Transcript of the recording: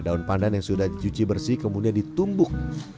daun pandan yang sudah dicuci bersih kemudian ditumbuk